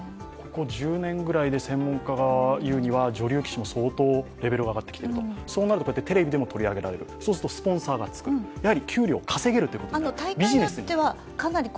ここ１０年ぐらいで専門家が言うには、女流棋士も相当、レベルが上がってきているとそうなるとテレビでも取り上げられるそうするとスポンサーがつく、給料がつく、ビジネスになると。